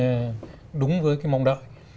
một cách đúng với mong đợi